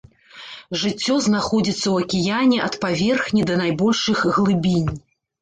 Жыццё знаходзіцца ў акіяне ад паверхні да найбольшых глыбінь.